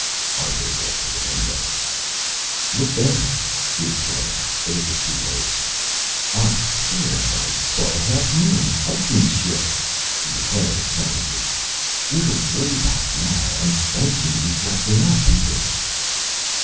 Arthur walked to the window. "Look there!" he exclaimed, but it was too late. "I'll swear to it I saw the Half Moon, Hudson's ship," he declared excitedly. "We're way back now, and don't seem to be slacking up, either."